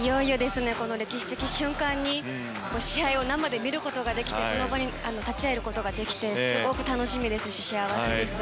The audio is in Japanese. この歴史的瞬間に試合を生で見ることができてこの場に立ち会えることができてすごく楽しみですし幸せです。